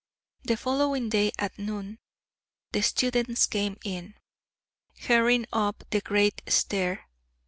The following day at noon, the students came in, hurrying up the great stair.